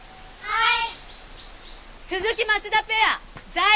はい！